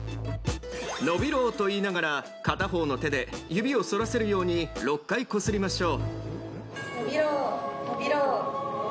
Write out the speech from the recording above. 伸びろと言いながら片方の手で指をそらせるように６回こすりましょう。